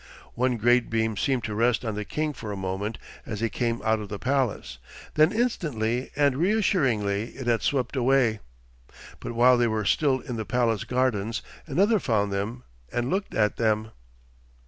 One great beam seemed to rest on the king for a moment as he came out of the palace; then instantly and reassuringly it had swept away. But while they were still in the palace gardens another found them and looked at them.